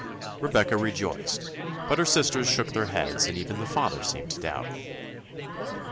Rebecca rejoiced, but her sisters shook their heads, and even the father seemed to doubt.